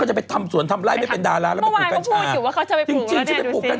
ก็จะไปทำสวนทำไรไม่เป็นดาราแล้วไปปลูกกัญชาเมื่อวานเขาพูดอยู่ว่าเขาจะไปปลูกแล้วเนี่ย